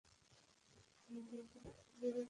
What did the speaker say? দলটি তুলনামূলকভাবে দূর্বলমানের ছিল।